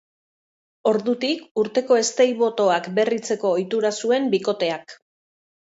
Ordutik, urteko eztei-botoak berritzeko ohitura zuen bikoteak.